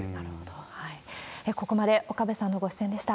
ここまで岡部さんのご出演でした。